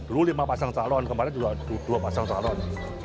dulu lima pasang calon kemarin juga dua pasang calon